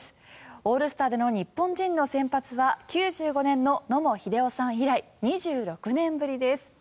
オールスターでの日本人の先発は１９９５年の野茂英雄さん以来２６年ぶりです。